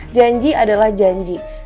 janji adalah janji